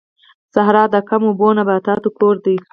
صحرا د کم اوبو نباتاتو کور دی